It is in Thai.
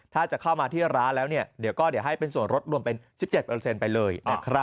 ถ้าจะเข้ามาที่ร้านแล้วเดี๋ยวก็เดี๋ยวให้เป็นส่วนลดรวมเป็น๑๗ไปเลยนะครับ